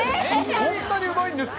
こんなにうまいんですか。